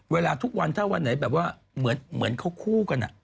เวลาทุกวัดที่เพื่อกว่าจะข้ากับใหม่